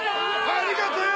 ありがとよ！